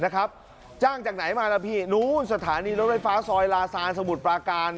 ที่นี่ลุ้นสถานีรถไฟฟ้าซอยลาซานสมุดป้าการ